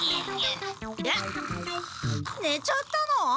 ねちゃったの？